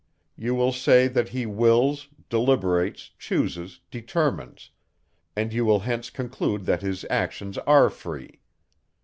You will say, that he wills, deliberates, chooses, determines; and you will hence conclude, that his actions are free.